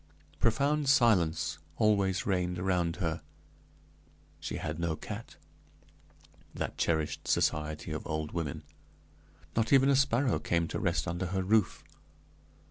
Profound silence always reigned around her; she had no cat that cherished society of old women not even a sparrow came to rest under her roof.